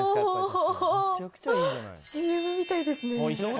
ＣＭみたいですね。